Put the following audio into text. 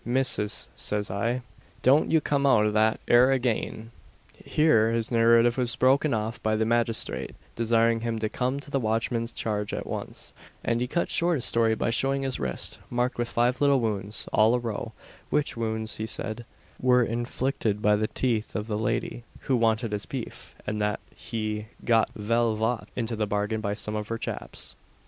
missis,' says I, 'don't you come that 'ere agen.'" Here his narrative was broken off by the magistrate desiring him to come to the watchman's charge at once; and he cut short his story by showing his wrist, marked with five little wounds, all a row; which wounds, he said, were inflicted by the teeth of the lady who wanted his beef, and that he "got vell vhopp'd into the bargain by some of her chaps."